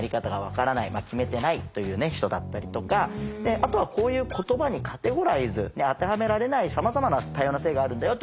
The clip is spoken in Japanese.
あとはこういう言葉にカテゴライズ当てはめられないさまざまな多様な性があるんだよってことでこの「＋」です。